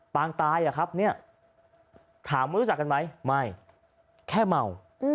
ปางตายอะครับถามเขารู้จักกันไหมไม่แค่เมา